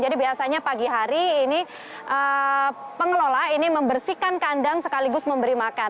jadi biasanya pagi hari ini pengelola ini membersihkan kandang sekaligus memberi makan